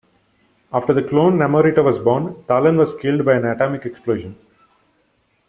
After the clone Namorita was born, Talan was killed by an atomic explosion.